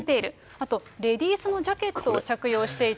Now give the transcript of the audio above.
あと、レディースのジャケットを着用していて。